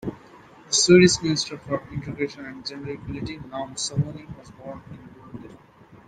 The Swedish Minister for Integration and Gender Equality, Nyamko Sabuni, was born in Burundi.